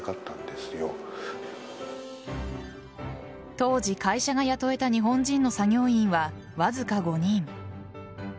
当時、会社が雇えた日本人の作業員はわずか５人。